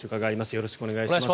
よろしくお願いします。